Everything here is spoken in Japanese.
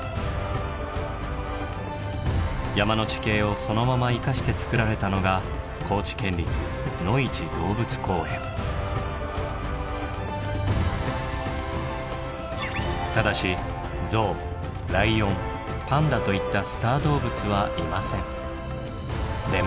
山の地形をそのまま生かしてつくられたのがただしゾウライオンパンダといったでも。